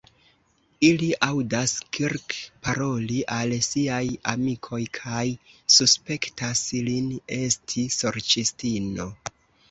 Ili aŭdas Kirk paroli al siaj amikoj kaj suspektas lin esti sorĉistino.